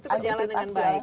itu berjalan dengan baik